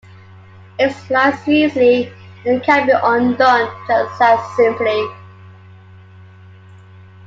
It slides easily and can be undone just as simply.